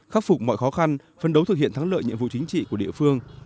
khắc phục mọi khó khăn phân đấu thực hiện thắng lợi nhiệm vụ chính trị của địa phương